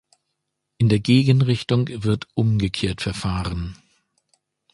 In der Gegenrichtung wird umgekehrt verfahren.